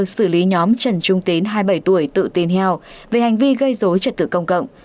xử lý nhóm trần trung tín hai mươi bảy tuổi tự tin heo về hành vi gây dối trật tự công cộng